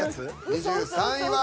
２３位は。